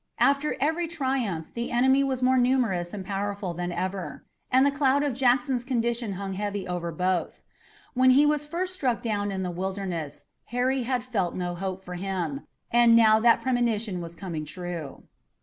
After every triumph the enemy was more numerous and powerful than ever. And the cloud of Jackson's condition hung heavy over both. When he was first struck down in the Wilderness, Harry had felt no hope for him, and now that premonition was coming true.